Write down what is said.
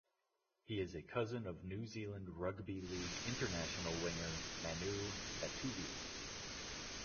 He is a cousin of New Zealand rugby league international winger Manu Vatuvei.